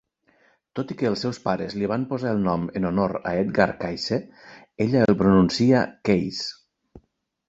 Tot i que els seus pares li van posar el nom en honor a Edgar Cayce, ella el pronuncia "Case".